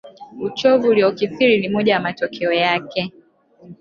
Uchovu uliokithiri ni moja ya matokeo yake